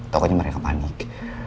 pokoknya mereka panik